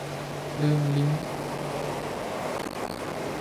ลืมลิงก์